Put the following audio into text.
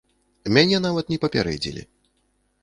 Мяне нават не папярэдзілі.